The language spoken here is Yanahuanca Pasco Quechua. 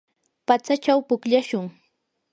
patsachaw pukllashun.